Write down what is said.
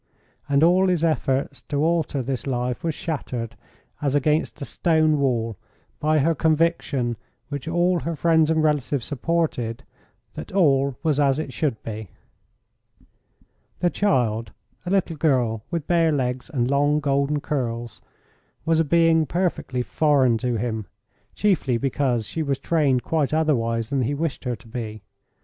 And all his efforts to alter this life was shattered, as against a stone wall, by her conviction, which all her friends and relatives supported, that all was as it should be. The child, a little girl with bare legs and long golden curls, was a being perfectly foreign to him, chiefly because she was trained quite otherwise than he wished her to be.